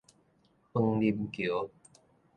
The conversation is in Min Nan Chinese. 楓林橋